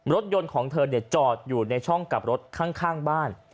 รถยนต์ของเธอจอดอยู่ในช่องกลับรถข้างบ้าน